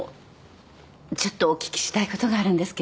ちょっとお聞きしたいことがあるんですけど。